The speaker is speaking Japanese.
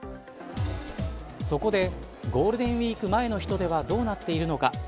そこでゴールデンウイーク前の人出はどうなっているのか。